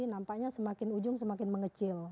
nampaknya semakin ujung semakin mengecil